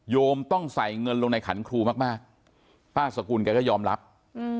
มต้องใส่เงินลงในขันครูมากมากป้าสกุลแกก็ยอมรับอืม